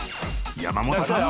［山本さん。